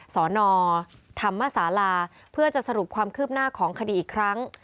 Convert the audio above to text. สนธรรมศาลาเพื่อจะสรุปความคืบหน้าของคดีอีกครั้ง